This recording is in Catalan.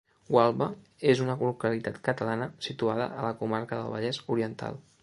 Gualba és una localitat catalana situada a la comarca del Vallès Oriental.